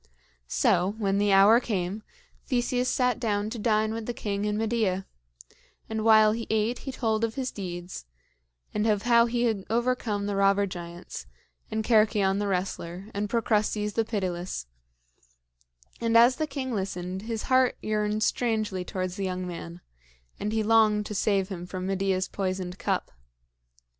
So, when the hour came, Theseus sat down to dine with the king and Medea; and while he ate he told of his deeds and of how he had overcome the robber giants, and Cercyon the wrestler, and Procrustes the pitiless; and as the king listened, his heart yearned strangely towards the young man, and he longed to save him from Medea's poisoned cup.